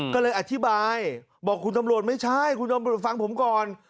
ก็เลยอธิบายบอกคุณตำรวจไม่ใช่คุณตำรวจฟังผมก่อน